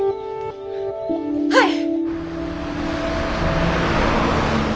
はい。